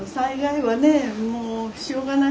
はい。